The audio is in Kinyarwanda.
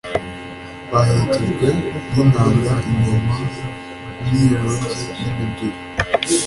baherekejwe n'inanga, ingoma, imyirongi n'imiduri